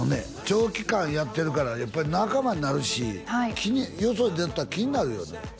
長期間やってるからやっぱり仲間になるしよそに出とったら気になるよね